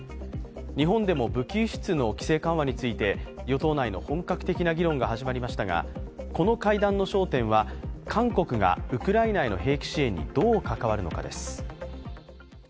日本でも武器輸出の規制緩和について、与党内の本格的な議論が始まりましたが、この会談の焦点は、韓国がウクライナへの兵器支援にどう関わるのかです。